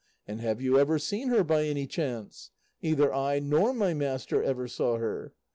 And have you ever seen her by any chance? Neither I nor my master ever saw her.